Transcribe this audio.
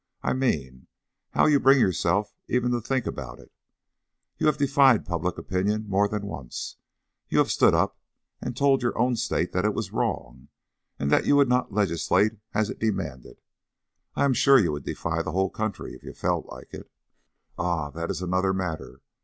I mean, how you bring yourself even to think about it. You have defied public opinion more than once. You have stood up and told your own State that it was wrong and that you would not legislate as it demanded. I am sure you would defy the whole country, if you felt like it." "Ah, that is another matter.